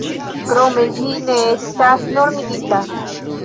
Krome, ĝi ne estas normigita.